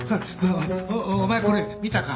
おお前これ見たか？